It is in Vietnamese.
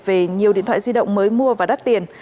về nhiều điện thoại di động mới mua và đắt tiền